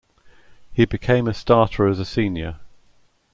He became a starter as a senior.